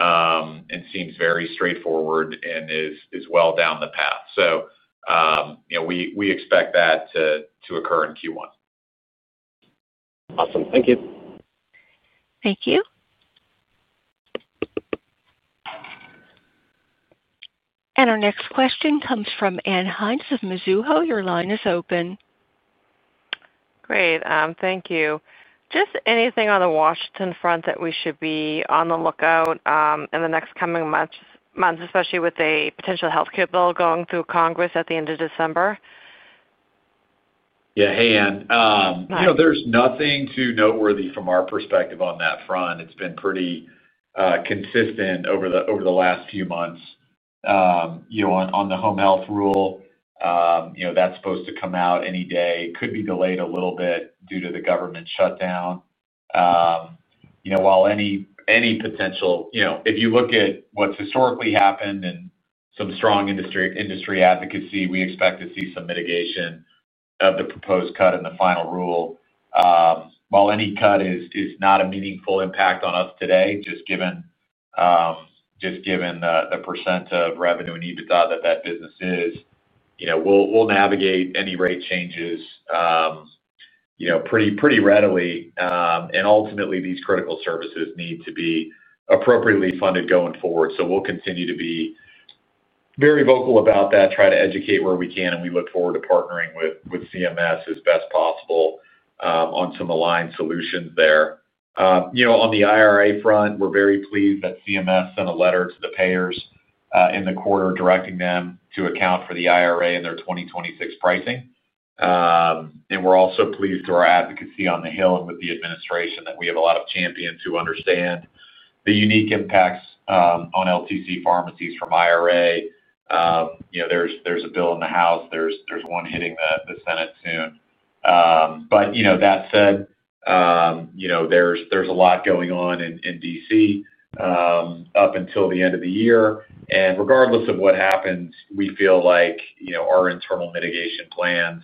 and seems very straightforward and is well down the path. We expect that to occur in Q1. Awesome. Thank you. Thank you. Our next question comes from Anne Hynes of Mizuho. Your line is open. Great. Thank you. Just anything on the Washington front that we should be on the lookout for in the next coming months, especially with a potential healthcare bill going through Congress at the end of December? Yeah. Hey, Ann. There's nothing too noteworthy from our perspective on that front. It's been pretty consistent over the last few months. On the home health rule, that's supposed to come out any day. It could be delayed a little bit due to the government shutdown. While any potential, if you look at what's historically happened and some strong industry advocacy, we expect to see some mitigation of the proposed cut in the final rule. While any cut is not a meaningful impact on us today, just given the percent of revenue and EBITDA that that business is, we'll navigate any rate changes pretty readily. Ultimately, these critical services need to be appropriately funded going forward. We'll continue to be very vocal about that, try to educate where we can, and we look forward to partnering with CMS as best possible on some aligned solutions there. On the IRA front, we're very pleased that CMS sent a letter to the payers in the quarter directing them to account for the IRA in their 2026 pricing. We're also pleased through our advocacy on the Hill and with the administration that we have a lot of champions who understand the unique impacts on LTC pharmacies from IRA. There's a bill in the House. There's one hitting the Senate soon. That said, there's a lot going on in DC up until the end of the year. Regardless of what happens, we feel like our internal mitigation plans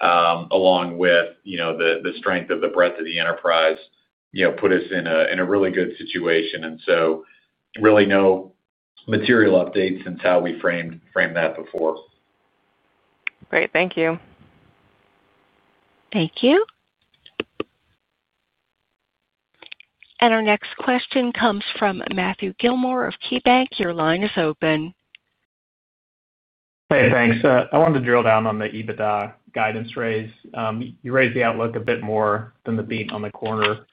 along with the strength of the breadth of the enterprise put us in a really good situation. Really no material updates since how we framed that before. Great, thank you. Thank you. Our next question comes from Matthew Gilmor of KeyBanc. Your line is open. Hey, thanks. I wanted to drill down on the EBITDA guidance raise. You raised the outlook a bit more than the beat on the quarter.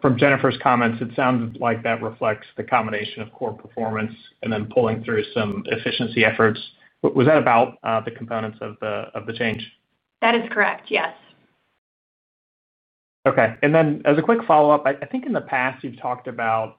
From Jennifer's comments, it sounded like that reflects the combination of core performance and then pulling through some efficiency efforts. Was that about the components of the change? That is correct, yes. Okay. As a quick follow-up, I think in the past you've talked about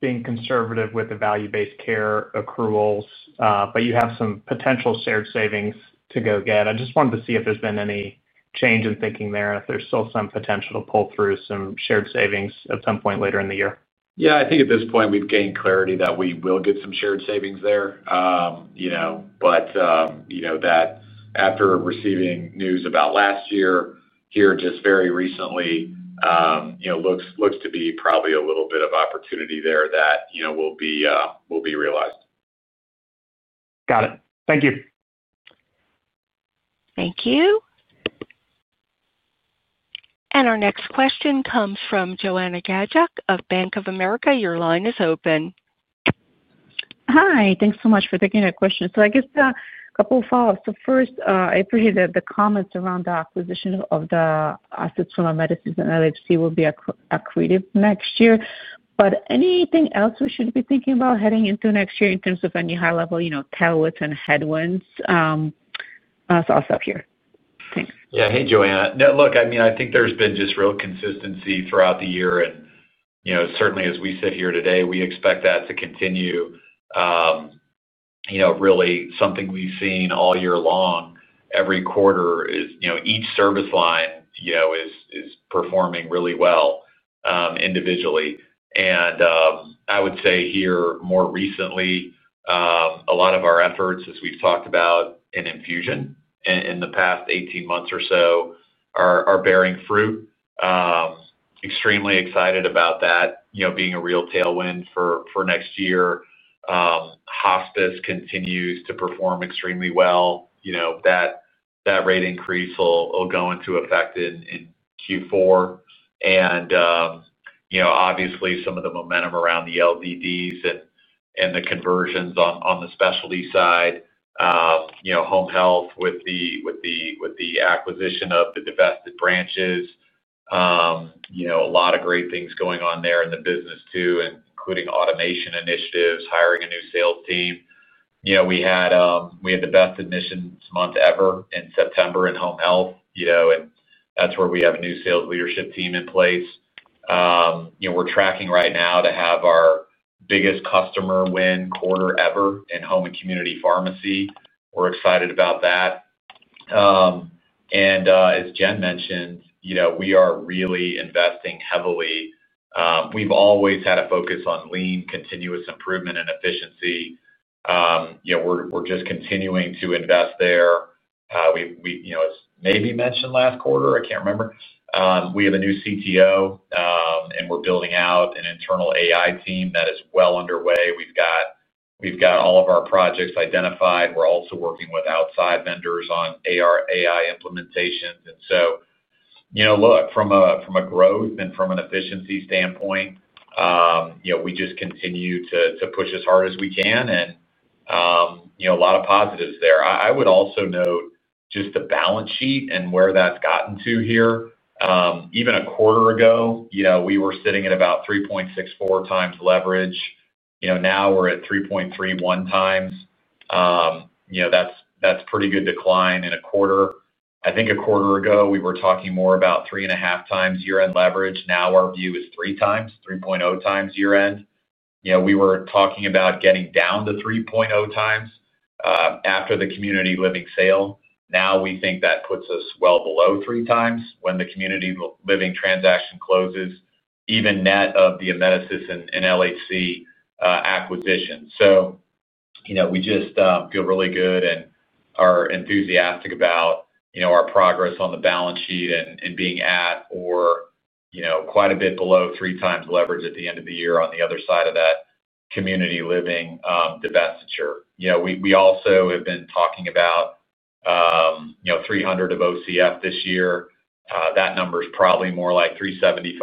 being conservative with the value-based care accruals, but you have some potential shared savings to go get. I just wanted to see if there's been any change in thinking there and if there's still some potential to pull through some shared savings at some point later in the year. Yeah. I think at this point we've gained clarity that we will get some shared savings there. You know, after receiving news about last year here just very recently, looks to be probably a little bit of opportunity there that will be realized. Got it. Thank you. Thank you. Our next question comes from Joanna Gadjuk of Bank of America. Your line is open. Hi. Thanks so much for taking that question. I guess a couple of follow-ups. First, I appreciate the comments around the acquisition of the assets from Amedisys and LHC will be accretive next year. Anything else we should be thinking about heading into next year in terms of any high-level tailwinds and headwinds? That's all stuff here. Thanks. Yeah. Hey, Joanna. No, look, I mean, I think there's been just real consistency throughout the year. You know, certainly, as we sit here today, we expect that to continue. You know, really something we've seen all year long. Every quarter is, you know, each service line is performing really well individually. I would say here more recently, a lot of our efforts, as we've talked about in infusion in the past 18 months or so, are bearing fruit. Extremely excited about that, you know, being a real tailwind for next year. Hospice continues to perform extremely well. You know, that rate increase will go into effect in Q4. Obviously, some of the momentum around the limited distribution drug launches and the conversions on the specialty side, you know, home health with the acquisition of the divested branches, you know, a lot of great things going on there in the business too, including automation initiatives, hiring a new sales team. We had the best admissions month ever in September in home health, and that's where we have a new sales leadership team in place. You know, we're tracking right now to have our biggest customer win quarter ever in home and community pharmacy. We're excited about that. As Jen mentioned, you know, we are really investing heavily. We've always had a focus on lean, continuous improvement, and efficiency. You know, we're just continuing to invest there. As maybe mentioned last quarter, I can't remember, we have a new CTO, and we're building out an internal AI team that is well underway. We've got all of our projects identified. We're also working with outside vendors on AI implementations. From a growth and from an efficiency standpoint, you know, we just continue to push as hard as we can. A lot of positives there. I would also note just the balance sheet and where that's gotten to here. Even a quarter ago, you know, we were sitting at about 3.64x leverage. Now we're at 3.31x. You know, that's a pretty good decline in a quarter. I think a quarter ago, we were talking more about 3.5x year-end leverage. Now our view is 3x, 3.0x year-end. You know, we were talking about getting down to 3.0x after the community living sale. Now we think that puts us well below three times when the community living transaction closes, even net of the Amedisys and LHC acquisition. We just feel really good and are enthusiastic about our progress on the balance sheet and being at or quite a bit below three times leverage at the end of the year on the other side of that community living divestiture. We also have been talking about $300 million of OCF this year. That number is probably more like $375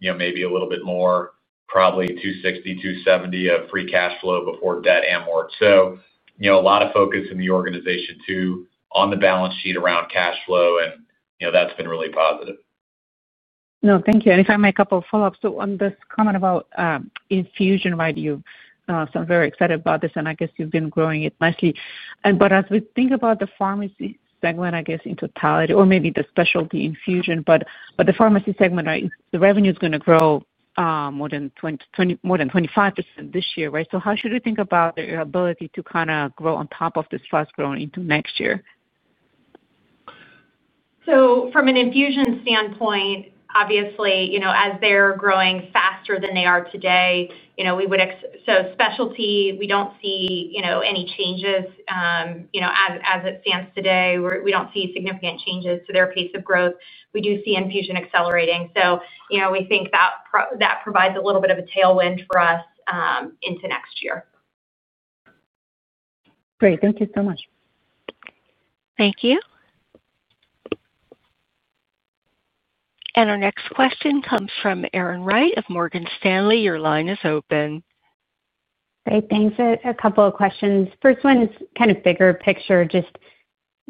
million, maybe a little bit more, probably $260 million, $270 million of free cash flow before debt and mortgage. A lot of focus in the organization too on the balance sheet around cash flow, and that's been really positive. No, thank you. If I may, a couple of follow-ups. On this comment about infusion, you sound very excited about this, and I guess you've been growing it nicely. As we think about the pharmacy segment, in totality, or maybe the specialty infusion, the pharmacy segment revenue is going to grow more than 20%, more than 25% this year, right? How should we think about your ability to kind of grow on top of this fast growing into next year? From an infusion standpoint, obviously, as they're growing faster than they are today, we would expect specialty. We don't see any changes. As it stands today, we don't see significant changes to their pace of growth. We do see infusion accelerating. We think that provides a little bit of a tailwind for us into next year. Great, thank you so much. Thank you. Our next question comes from Erin Wright of Morgan Stanley. Your line is open. Great. Thanks. A couple of questions. First one is kind of bigger picture. Just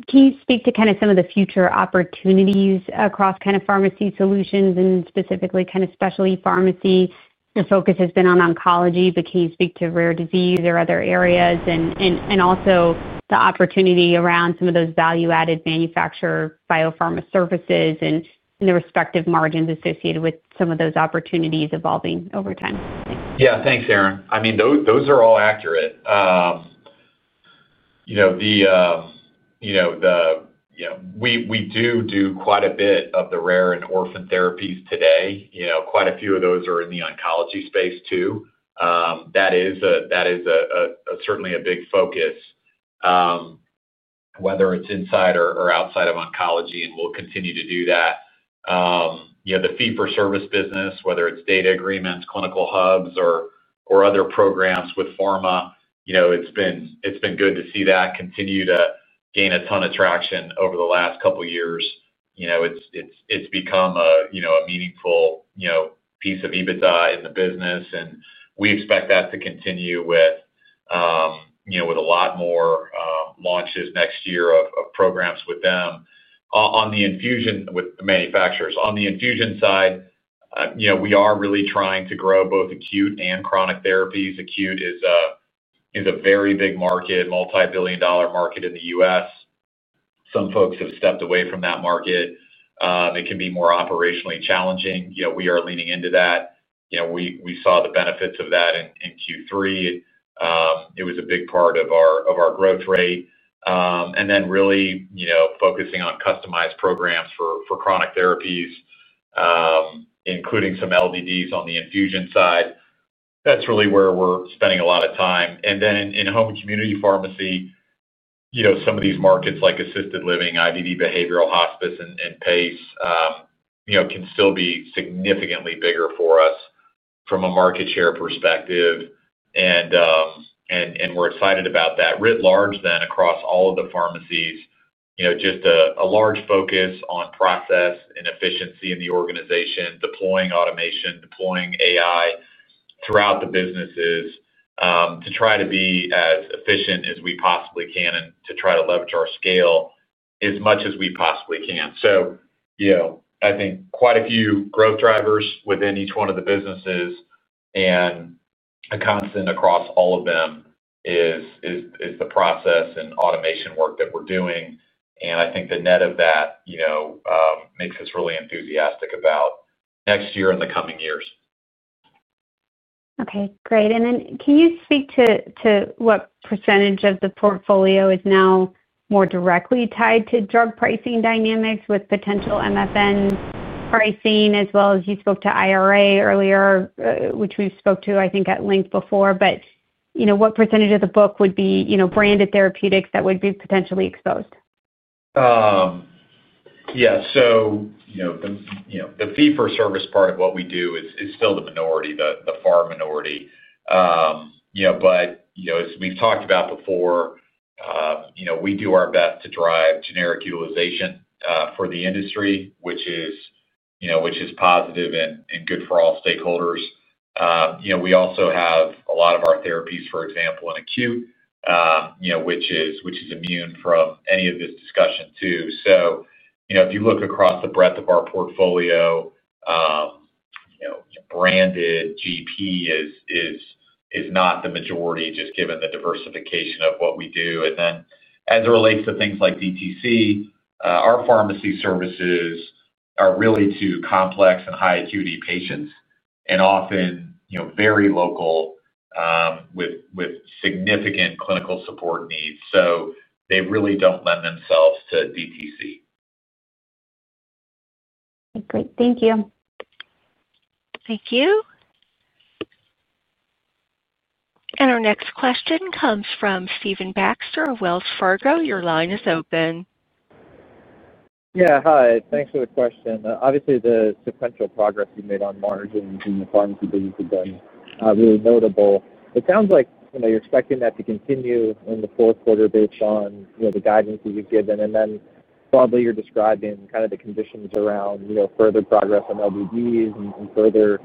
can you speak to kind of some of the future opportunities across kind of Pharmacy Solutions and specifically kind of specialty pharmacy? Your focus has been on oncology, but can you speak to rare disease or other areas and also the opportunity around some of those value-added manufacturer biopharma services and the respective margins associated with some of those opportunities evolving over time? Thanks. Yeah. Thanks, Erin. I mean, those are all accurate. We do do quite a bit of the rare and orphan therapies today. Quite a few of those are in the oncology space too. That is certainly a big focus, whether it's inside or outside of oncology, and we'll continue to do that. The fee-for-service business, whether it's data agreements, clinical hubs, or other programs with pharma, has been good to see continue to gain a ton of traction over the last couple of years. It's become a meaningful piece of EBITDA in the business, and we expect that to continue with a lot more launches next year of programs with them. On the infusion with the manufacturers, on the infusion side, we are really trying to grow both acute and chronic therapies. Acute is a very big market, multi-billion dollar market in the U.S. Some folks have stepped away from that market. It can be more operationally challenging. We are leaning into that. We saw the benefits of that in Q3. It was a big part of our growth rate. Really focusing on customized programs for chronic therapies, including some limited distribution drug launches on the infusion side, that's really where we're spending a lot of time. In home and community pharmacy, some of these markets like assisted living, IDD, behavioral hospice, and PACE can still be significantly bigger for us from a market share perspective. We're excited about that. Writ large across all of the pharmacies, there is a large focus on process and efficiency in the organization, deploying automation, deploying AI initiatives throughout the businesses to try to be as efficient as we possibly can and to try to leverage our scale as much as we possibly can. I think quite a few growth drivers exist within each one of the businesses, and a constant across all of them is the process and automation work that we're doing. I think the net of that makes us really enthusiastic about next year and the coming years. Okay. Great. Can you speak to what percentage of the portfolio is now more directly tied to drug pricing dynamics with potential MFN pricing, as well as you spoke to IRA earlier, which we've spoke to, I think, at length before? What percentage of the book would be branded therapeutics that would be potentially exposed? Yeah. The fee-for-service part of what we do is still the minority, the far minority. As we've talked about before, we do our best to drive generic utilization for the industry, which is positive and good for all stakeholders. We also have a lot of our therapies, for example, in acute, which is immune from any of this discussion too. If you look across the breadth of our portfolio, branded GP is not the majority, just given the diversification of what we do. As it relates to things like DTC, our pharmacy services are really to complex and high acuity patients and often very local, with significant clinical support needs. They really don't lend themselves to DTC. Okay. Great. Thank you. Thank you. Our next question comes from Stephen Baxter of Wells Fargo. Your line is open. Yeah. Hi. Thanks for the question. Obviously, the sequential progress you've made on margins in the pharmacy business has been really notable. It sounds like you're expecting that to continue in the fourth quarter based on the guidance that you've given. You're describing kind of the conditions around further progress on limited distribution drug launches and further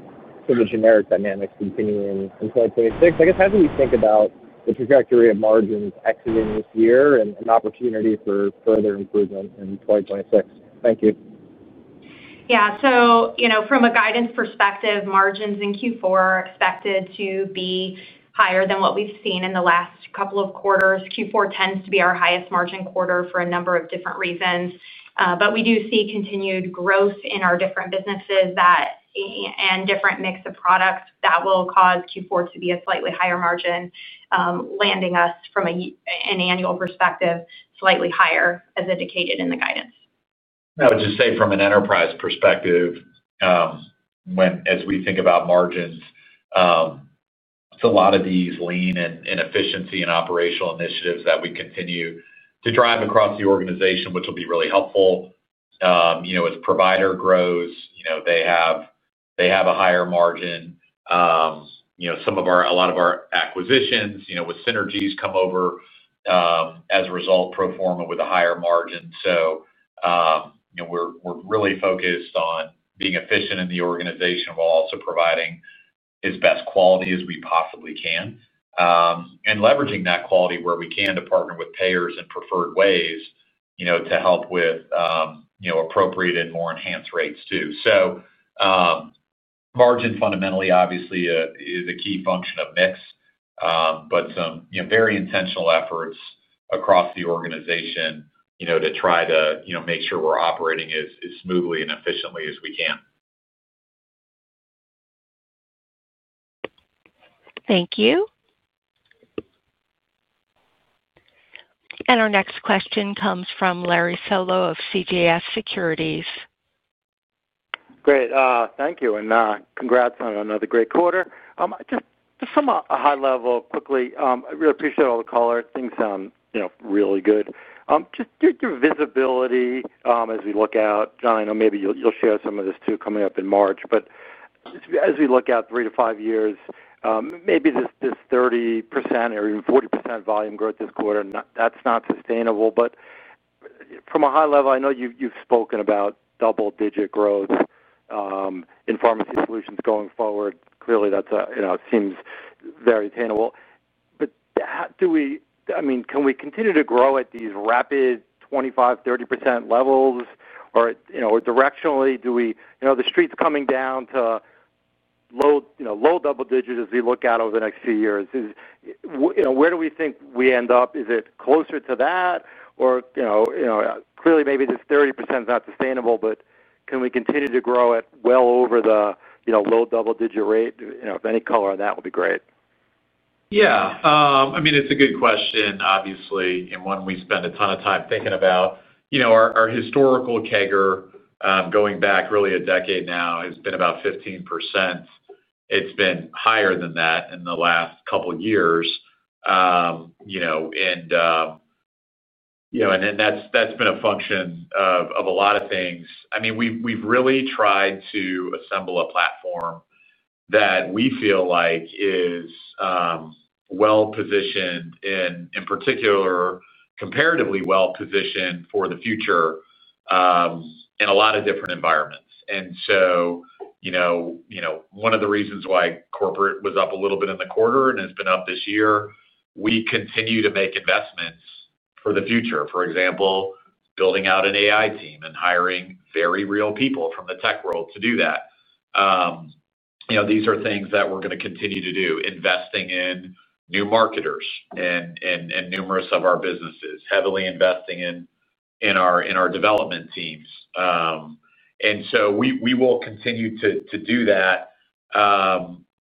sort of generic dynamics continuing in 2026. I guess, how do we think about the trajectory of margins exiting this year and an opportunity for further improvement in 2026? Thank you. Yeah. From a guidance perspective, margins in Q4 are expected to be higher than what we've seen in the last couple of quarters. Q4 tends to be our highest margin quarter for a number of different reasons. We do see continued growth in our different businesses and different mix of products that will cause Q4 to be a slightly higher margin, landing us from an annual perspective slightly higher as indicated in the guidance. I would just say from an enterprise perspective, when we think about margins, it's a lot of these lean and efficiency and operational initiatives that we continue to drive across the organization, which will be really helpful. As Provider grows, they have a higher margin. Some of our acquisitions, with synergies, come over as a result, pro forma with a higher margin. We're really focused on being efficient in the organization while also providing as best quality as we possibly can, and leveraging that quality where we can to partner with payers in preferred ways to help with appropriate and more enhanced rates too. Margin fundamentally, obviously, is a key function of mix, but some very intentional efforts across the organization to try to make sure we're operating as smoothly and efficiently as we can. Thank you. Our next question comes from Larry Solow of CJS Securities. Great. Thank you. Congrats on another great quarter. Just from a high level, quickly, I really appreciate all the callers. Things sound really good. Just your visibility as we look out, Jon, I know maybe you'll share some of this too coming up in March. As we look out three to five years, maybe this 30% or even 40% volume growth this quarter, that's not sustainable. From a high level, I know you've spoken about double-digit growth in Pharmacy Solutions going forward. Clearly, that seems very attainable. Do we, I mean, can we continue to grow at these rapid 25%, 30% levels or, you know, directionally? The street's coming down to low double digits as we look out over the next few years. Where do we think we end up? Is it closer to that? Clearly, maybe this 30% is not sustainable, but can we continue to grow at well over the low double-digit rate? Any color on that would be great. Yeah. I mean, it's a good question, obviously. When we spend a ton of time thinking about, you know, our historical CAGR, going back really a decade now, has been about 15%. It's been higher than that in the last couple of years. That's been a function of a lot of things. I mean, we've really tried to assemble a platform that we feel like is well-positioned and, in particular, comparatively well-positioned for the future in a lot of different environments. One of the reasons why corporate was up a little bit in the quarter and has been up this year, we continue to make investments for the future. For example, building out an AI team and hiring very real people from the tech world to do that. These are things that we're going to continue to do, investing in new marketers and numerous of our businesses, heavily investing in our development teams. We will continue to do that.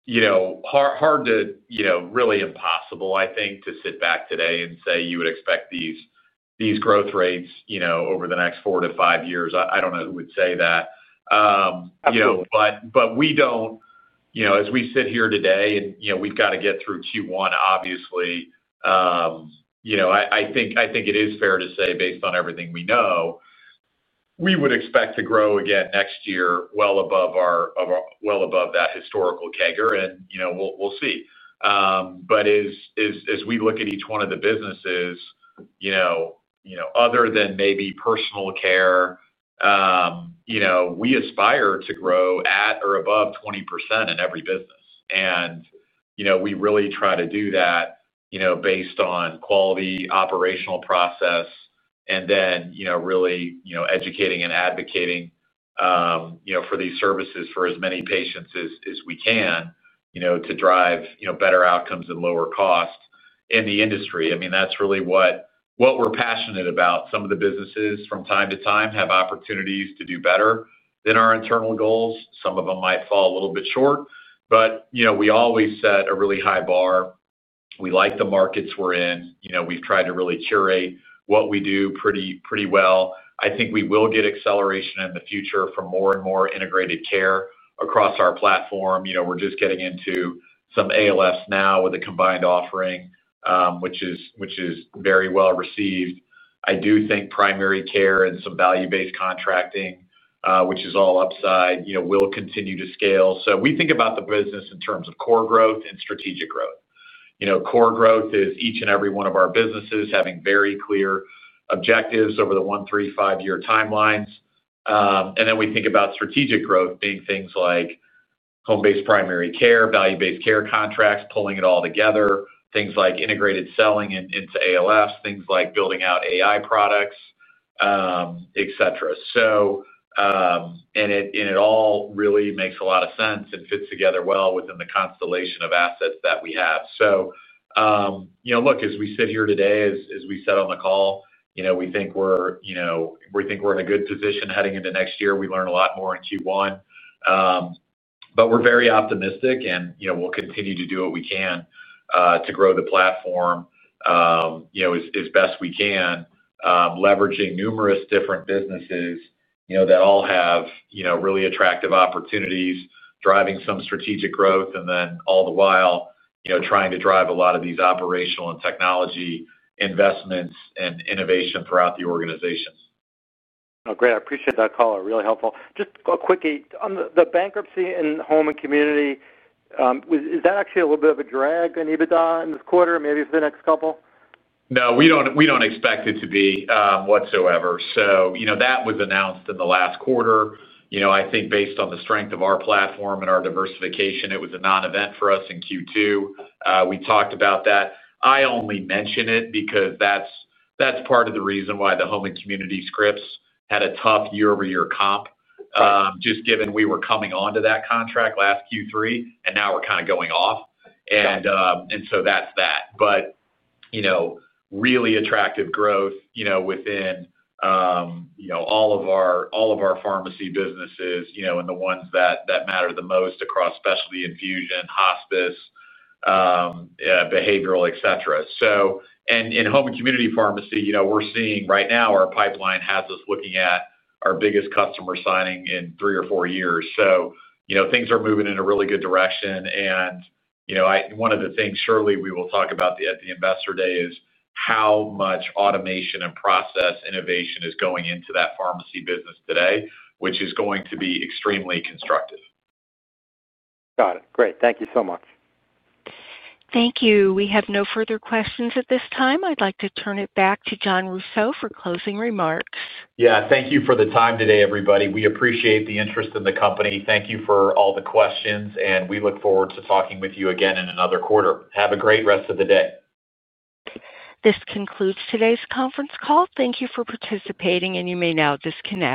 It's really impossible, I think, to sit back today and say you would expect these growth rates over the next four to five years. I don't know who would say that. As we sit here today, and we've got to get through Q1, obviously, I think it is fair to say, based on everything we know, we would expect to grow again next year well above that historical CAGR, and we'll see. As we look at each one of the businesses, other than maybe personal care, we aspire to grow at or above 20% in every business. We really try to do that based on quality, operational process, and then really educating and advocating for these services for as many patients as we can to drive better outcomes and lower costs in the industry. I mean, that's really what we're passionate about. Some of the businesses from time to time have opportunities to do better than our internal goals. Some of them might fall a little bit short. We always set a really high bar. We like the markets we're in. We've tried to really curate what we do pretty well. I think we will get acceleration in the future from more and more integrated care across our platform. We're just getting into some ALFs now with a combined offering, which is very well received. I do think primary care and some value-based contracting, which is all upside, will continue to scale. We think about the business in terms of core growth and strategic growth. Core growth is each and every one of our businesses having very clear objectives over the one, three, five-year timelines. We think about strategic growth being things like home-based primary care, value-based care contracts, pulling it all together, things like integrated selling into ALFs, things like building out AI products, etc. It all really makes a lot of sense and fits together well within the constellation of assets that we have. As we sit here today, as we said on the call, we think we're in a good position heading into next year. We learn a lot more in Q1, but we're very optimistic, and we'll continue to do what we can to grow the platform as best we can, leveraging numerous different businesses that all have really attractive opportunities, driving some strategic growth, and then all the while trying to drive a lot of these operational and technology investments and innovation throughout the organizations. Oh, great. I appreciate that call. Really helpful. Just a quick, on the bankruptcy in home and community, is that actually a little bit of a drag on EBITDA in this quarter, maybe for the next couple? No, we don't expect it to be, whatsoever. That was announced in the last quarter. I think based on the strength of our platform and our diversification, it was a non-event for us in Q2. We talked about that. I only mention it because that's part of the reason why the home and community scripts had a tough year-over-year comp, just given we were coming onto that contract last Q3, and now we're kind of going off. That's that. Really attractive growth within all of our pharmacy businesses, and the ones that matter the most across specialty infusion, hospice, behavioral, etc. In home and community pharmacy, we're seeing right now our pipeline has us looking at our biggest customer signing in three or four years. Things are moving in a really good direction. One of the things surely we will talk about at the investor day is how much automation and process innovation is going into that pharmacy business today, which is going to be extremely constructive. Got it. Great. Thank you so much. Thank you. We have no further questions at this time. I'd like to turn it back to Jon Rousseau for closing remarks. Thank you for the time today, everybody. We appreciate the interest in the company. Thank you for all the questions, and we look forward to talking with you again in another quarter. Have a great rest of the day. This concludes today's conference call. Thank you for participating, and you may now disconnect.